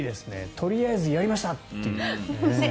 とりあえず、やりましたという。